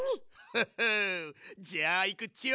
フッフじゃあいくっちよ？